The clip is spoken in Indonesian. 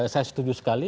saya setuju sekali